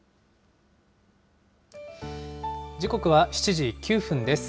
時刻は７時９分です。